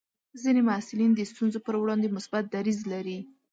ځینې محصلین د ستونزو پر وړاندې مثبت دریځ لري.